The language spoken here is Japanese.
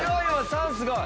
３すごい。